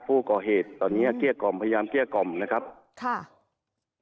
ผู้ก่อเหตุตอนนี้เกลี้ยกล่อมพยายามเกลี้ยกล่อมนะครับค่ะ